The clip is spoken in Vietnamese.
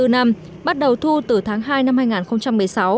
hai mươi năm bắt đầu thu từ tháng hai năm hai nghìn một mươi sáu